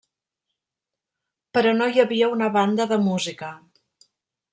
Però no hi havia una banda de música.